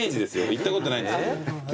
行ったことないんですけど。